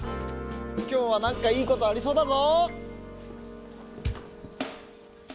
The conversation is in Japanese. きょうはなんかいいことありそうだぞ！